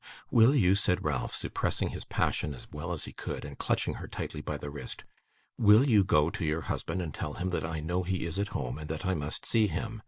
'Will you,' said Ralph, suppressing his passion as well as he could, and clutching her tightly by the wrist; 'will you go to your husband and tell him that I know he is at home, and that I must see him?